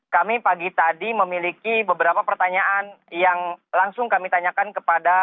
kami pagi tadi memiliki beberapa pertanyaan yang langsung kami tanyakan kepada